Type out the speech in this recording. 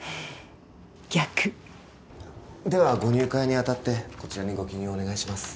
逆ではご入会にあたってこちらにご記入をお願いします